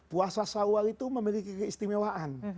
puasa sawal itu memiliki keistimewaan